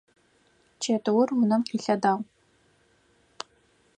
Чэтыур унэм къилъэдагъ.